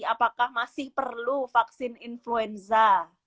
apakah masih perlu vaksin influenza